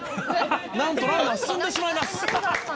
「なんとランナー進んでしまいます」